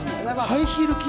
ハイヒール筋。